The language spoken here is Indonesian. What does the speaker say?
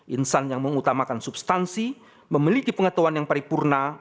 insan yang mengutamakan substansi memiliki pengetahuan yang paripurna